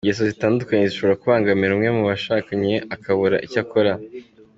Ingeso zitandukanye zishobora kubangamira umwe mu bashakanye akabura icyo akora.